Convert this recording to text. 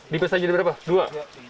dipisah jadi berapa dua